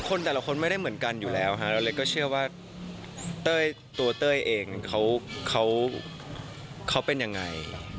แต่ละคนไม่ได้เหมือนกันอยู่แล้วฮะแล้วเล็กก็เชื่อว่าตัวเต้ยเองเขาเป็นยังไง